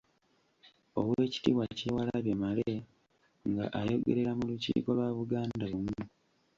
Oweekitiibwa Kyewalabye Male nga ayogerera mu lukiiko lwa Buganda Bumu.